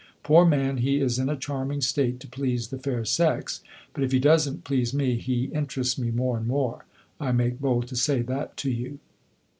Poor man, he is in a charming state to please the fair sex! But if he does n't please me, he interests me more and more; I make bold to say that to you.